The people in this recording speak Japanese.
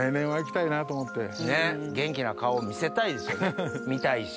元気な顔見せたいですよね見たいし。